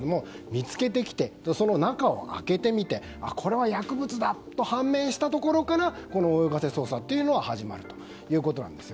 見つけてきてその中を開けてみてこれは薬物と判明したところからこの泳がせ捜査は始まるということです。